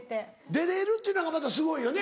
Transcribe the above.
出れるっていうのがすごいよね。